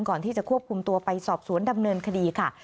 ก่อนที่จะควบคุมตัวไปสอบสวนดำเนินคดีค่ะ